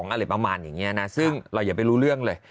อะไรประมาณอย่างนี้นะซึ่งเราอย่าไปรู้เรื่องเลย